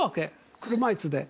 車いすで。